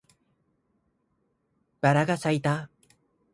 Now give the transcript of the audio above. バラが咲いた